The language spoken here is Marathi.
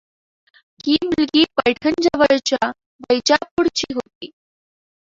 ही मुलगी पैठणजवळच्या वैजापूरची होती.